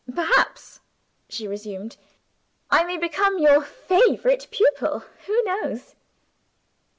"Perhaps," she resumed, "I may become your favorite pupil Who knows?"